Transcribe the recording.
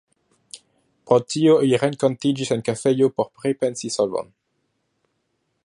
Pro tio ili renkontiĝis en kafejo por pripensi solvon.